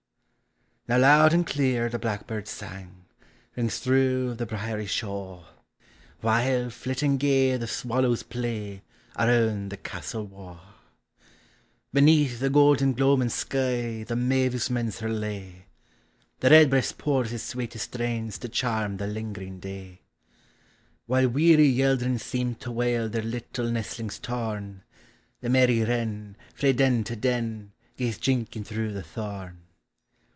Now loud and clear the blackbird's Bang Kings through the briery shaw, 48 POEMS OF NATURE. While, flitting gar. the swallows play Around the castle wa\ Beneath the golden gloamin' sky The mavis mends her lay ; The redbreast pours his sweetest strains To charm the lingering day; While weary yeldrins seem to wail Their little nestlings torn, The merry wren, frae den to den, Gaes jinking through the thorn.